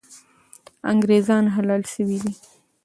انګریزان حلال سوي دي.